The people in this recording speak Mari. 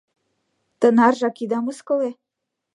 — Тынаржак ида мыскыле.